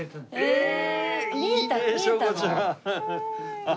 へえ！